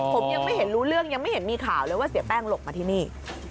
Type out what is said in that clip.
ผมยังไม่เห็นรู้เรื่องยังไม่เห็นมีข่าวเลยว่าเสียแป้งหลบมาที่นี่